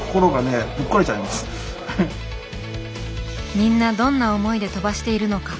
みんなどんな思いで飛ばしているのか。